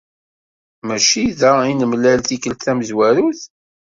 Mačči da i nemlal tikelt tamezwarut?